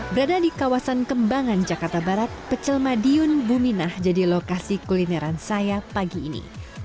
berada di kawasan kembangan jakarta barat pecel madiun buminah jadi lokasi kulineran saya pagi ini